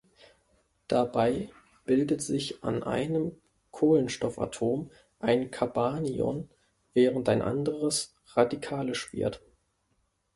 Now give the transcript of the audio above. Dabei bildet sich an einem Kohlenstoffatom ein Carbanion, während ein anderes radikalisch wird.